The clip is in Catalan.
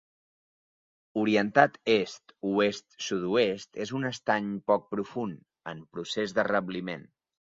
Orientat est oest-sud-oest, és un estany poc profund, en procés de rebliment.